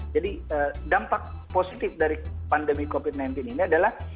jadi dampak positif dari pandemi covid sembilan belas ini adalah